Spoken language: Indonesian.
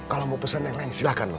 kalau mau pesen yang lain silahkan loh